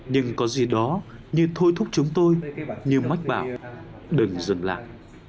nhưng có gì đó như thôi thúc chúng tôi như mách bảo đừng dựng lại